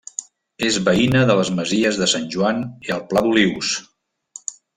És veïna de les masies de Sant Joan i el Pla d'Olius.